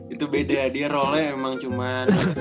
itu beda ya dia role emang cuman